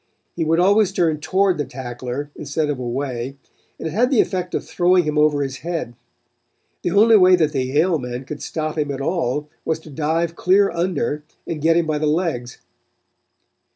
He would always turn toward the tackler instead of away, and it had the effect of throwing him over his head. The only way that the Yale men could stop him at all was to dive clear under and get him by the legs.